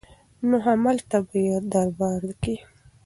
نو هملته به يې دربار کې